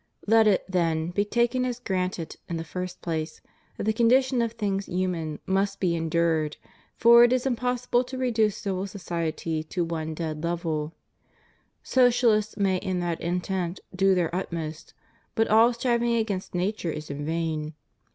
Let it, then, be taken as granted, in the first place, that the condition of things human must be endured, for it is impossible to reduce civil society to one dead level. Socialists may in that intent do their utmost, but all striving against nature is in vain.